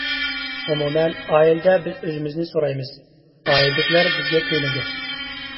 ئومۇمەن، ئائىلىدە بىز ئۆزىمىزنى سورايمىز، ئائىلىدىكىلەر بىزگە كۆيۈنىدۇ.